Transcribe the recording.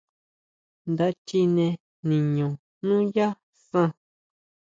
Nda chine niño nuyá san.